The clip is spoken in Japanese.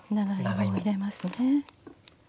長芋を入れますね。